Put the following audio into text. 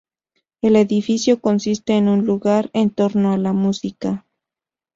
El edificio consiste en un lugar en torno a la música.